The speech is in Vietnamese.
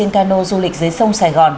cano du lịch dưới sông sài gòn